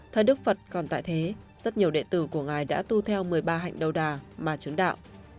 thời đức phật còn tại thế rất nhiều đệ tử của ngài đã tu theo một mươi ba hạnh đầu đà mà trứng đạo